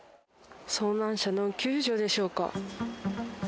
遭難者の救助でしょうか。